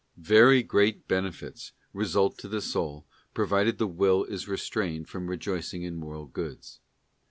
Very great benefits result to the soul, provided the Will is restrained from rejoicing in Moral Goods.